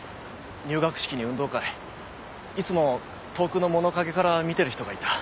入学式に運動会いつも遠くの物陰から見てる人がいた。